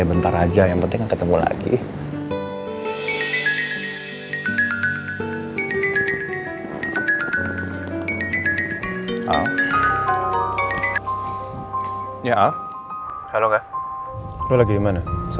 dan orang yang serang catherine